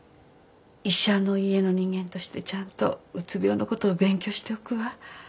医者の家の人間としてちゃんとうつ病のことを勉強しておくわ。